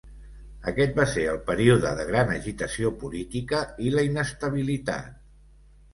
Aquest va ser el període de gran agitació política i la inestabilitat.